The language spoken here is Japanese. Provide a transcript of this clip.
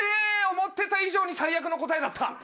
思ってた以上に最悪の答えだった！